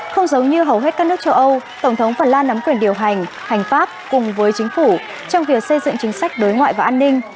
không giống như hầu hết các nước châu âu tổng thống phần lan nắm quyền điều hành hành pháp cùng với chính phủ trong việc xây dựng chính sách đối ngoại và an ninh